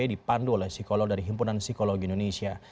dipandu oleh psikolog dari himpunan psikologi indonesia